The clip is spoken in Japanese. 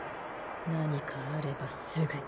何かあればすぐに。